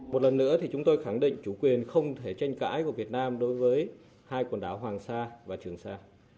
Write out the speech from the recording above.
một lần nữa thì chúng tôi khẳng định chủ quyền không thể tranh cãi của việt nam đối với hai quần đảo hoàng sa và trường sa